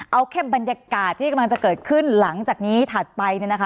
เอาแค่บรรยากาศที่กำลังจะเกิดขึ้นหลังจากนี้ถัดไปเนี่ยนะคะ